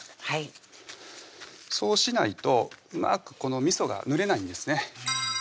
はいそうしないとうまくこのみそが塗れないんですね